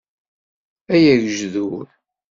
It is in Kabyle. A agejdur!